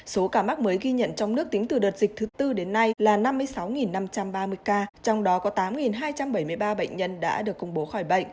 số ca mắc mới ghi nhận trong nước tính từ đợt dịch thứ tư đến nay là năm mươi sáu năm trăm ba mươi ca trong đó có tám hai trăm bảy mươi ba bệnh nhân đã được công bố khỏi bệnh